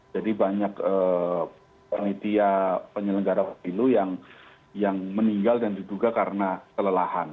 jadi banyak penelitian penyelenggara pemilu yang meninggal dan diduga karena kelelahan